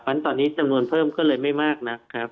วันตอนนี้จำนวนเพิ่มก็เลยไม่มากน่ะครับ